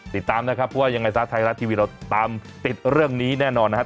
ติดตามนะครับเพราะว่ายังไงซะไทยรัฐทีวีเราตามติดเรื่องนี้แน่นอนนะครับ